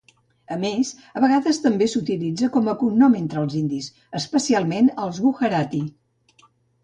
A més, a vegades també s'utilitza com a cognom entre els indis, especialment els Gujarati.